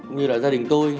như là gia đình tôi